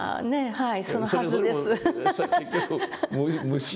はい。